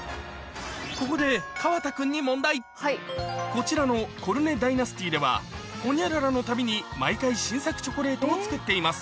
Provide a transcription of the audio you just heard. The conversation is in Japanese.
ここで川田君にこちらのコルネダイナスティではホニャララのたびに毎回新作チョコレートを作っています